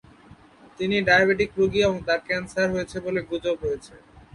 তিনি ডায়াবেটিক রোগী ও তার ক্যান্সার হয়েছে বলে গুজব রয়েছে।